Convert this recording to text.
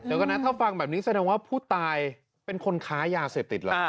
เดี๋ยวก่อนนะถ้าฟังแบบนี้แสดงว่าผู้ตายเป็นคนค้ายาเสพติดเหรอ